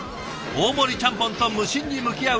大盛りちゃんぽんと無心に向き合う